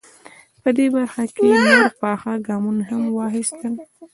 په دې برخه کې نور پاخه ګامونه هم واخیستل.